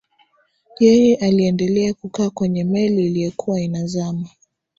yeye aliendelea kukaa kwenye meli iliyokuwa inazama